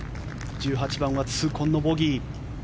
１８番は痛恨のボギー。